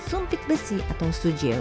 sumpit besi atau sujil